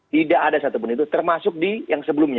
tidak ada satupun itu termasuk di yang sebelumnya